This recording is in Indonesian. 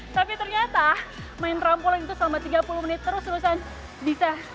tapi ternyata main trampolin itu selama tiga puluh menit terus terusan bisa